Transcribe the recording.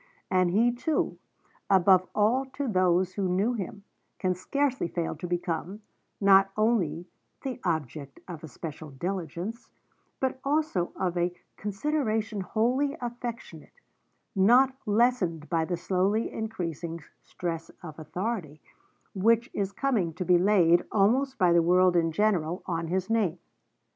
And he, too, above all to those who knew him, can scarcely fail to become, not only 'the object of a special diligence,' but also of 'a consideration wholly affectionate,' not lessened by the slowly increasing 'stress of authority' which is coming to be laid, almost by the world in general, on his name.